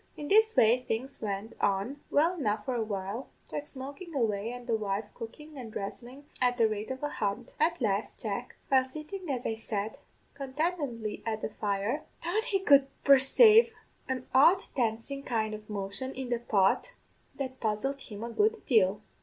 "In this way things went on well enough for a while, Jack smokin' away, an' the wife cookin' and dhressin' at the rate of a hunt. At last, Jack, while sittin', as I said, contentedly at the fire, thought he could persave an odd dancin' kind of motion in the pot that puzzled him a good deal.